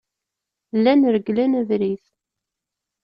Llan reglen abrid.